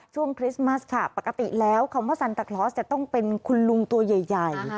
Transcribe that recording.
คริสต์มัสค่ะปกติแล้วคำว่าซันตาคลอสจะต้องเป็นคุณลุงตัวใหญ่